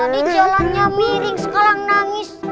di jalannya miring sekarang nangis